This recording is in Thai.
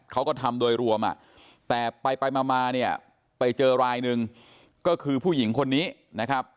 เขาก็ทำโดยรวมแต่ไปมาเนี่ยไปเจอรายหนึ่งก็คือผู้หญิงคนนี้นะครับ